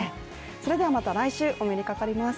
それでは、また来週お目にかかります。